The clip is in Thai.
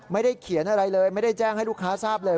ไม่ได้เขียนอะไรเลยไม่ได้แจ้งให้ลูกค้าทราบเลย